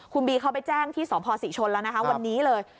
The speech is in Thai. คุณบีเขาไปแจ้งที่สพศรีชนแล้วนะคะวันนี้เลย